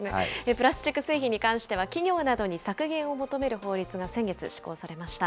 プラスチック製品に関しては企業などに削減を求める法律が先月施行されました。